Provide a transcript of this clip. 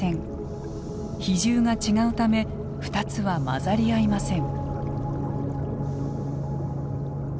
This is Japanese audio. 比重が違うため２つは混ざり合いません。